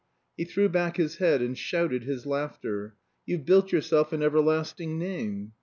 He threw back his head and shouted his laughter. "You've built yourself an everlasting name."